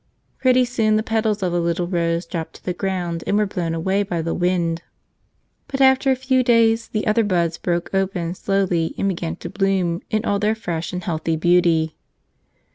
Pretty soon the petals of the little rose dropped to the ground and were blown away by the wind. But after a few days the other buds broke open slowly and began to bloom in all their fresh and healthy beauty.